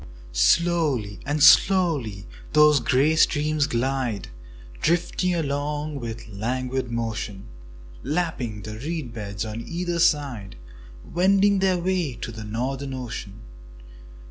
Slowly and slowly those grey streams glide, Drifting along with a languid motion, Lapping the reed beds on either side, Wending their way to the Northern Ocean.